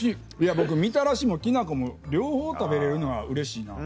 僕みたらしもきな粉も両方食べれるのはうれしいな。